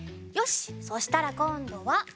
しっそしたらこんどは。